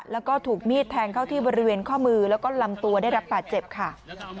แล้วก็ถูกมีดแทงเข้าที่บริเวณข้อมือแล้วก็ลำตัวได้รับบาดเจ็บค่ะ